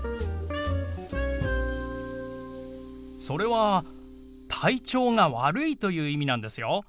それは「体調が悪い」という意味なんですよ。